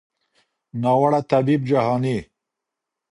ناوړه طبیب جهاني